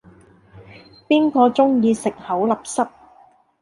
邊個鐘意食口立濕